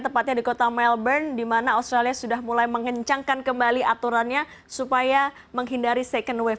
tepatnya di kota melbourne di mana australia sudah mulai mengencangkan kembali aturannya supaya menghindari second wave